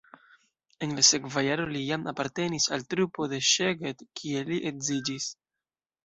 En la sekva jaro li jam apartenis al trupo de Szeged, kie li edziĝis.